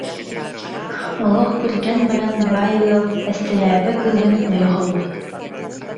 Олох кырдьан баран баай ыал эстэрээпэ кыыһын ойох ылбыт